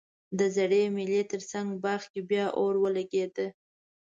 د زړې مېلې ترڅنګ باغ کې بیا اور ولګیده